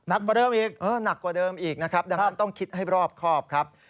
กว่าเดิมอีกหนักกว่าเดิมอีกนะครับดังนั้นต้องคิดให้รอบครอบครับ